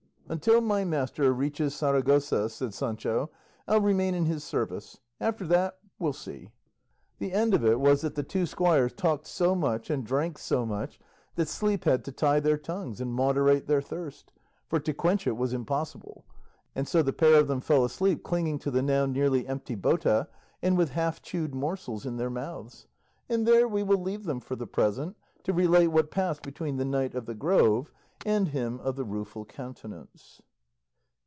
"Until my master reaches Saragossa," said Sancho, "I'll remain in his service; after that we'll see." The end of it was that the two squires talked so much and drank so much that sleep had to tie their tongues and moderate their thirst, for to quench it was impossible; and so the pair of them fell asleep clinging to the now nearly empty bota and with half chewed morsels in their mouths; and there we will leave them for the present, to relate what passed between the Knight of the Grove and him of the Rueful Countenance.